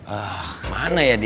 ah kemana ya dia